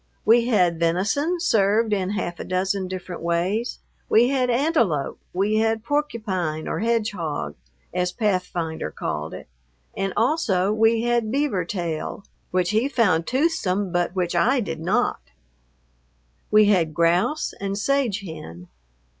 We had venison served in half a dozen different ways. We had antelope; we had porcupine, or hedgehog, as Pathfinder called it; and also we had beaver tail, which he found toothsome, but which I did not. We had grouse and sage hen.